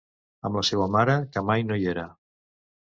Amb la seua mare que mai no hi era...